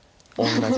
同じ。